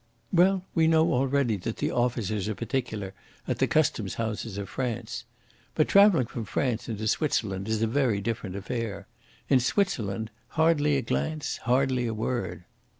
Well, we know already that the officers are particular at the Custom Houses of France. But travelling from France into Switzerland is a very different affair. In Switzerland, hardly a glance, hardly a word."